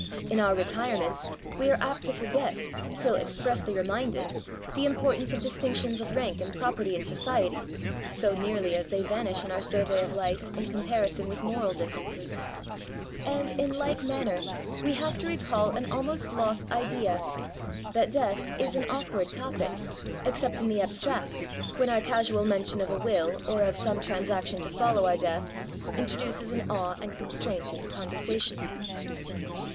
In our retirement^ we are apt to forget^ till expressly re minded, the importance of distinctions of rank and property in society, so nearly as they vanish in our survey of life, in comparison with moral differences ; and, in like manner, we have to recal an almost lost idea, that death is an awkward topic, except in the abstract, when our casual mention of a will, or of some transaction to follow our death, introduces an awe and constraint into conversation.